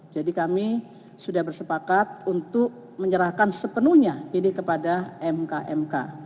jadi kami sudah bersepakat untuk menyerahkan sepenuhnya ini kepada mkmk